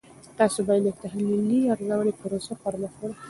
تاسې باید د تحلیلي او ارزونې پروسه پرمخ وړئ.